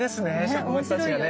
植物たちがね。